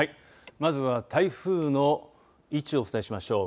まずは台風の位置をお伝えしましょう。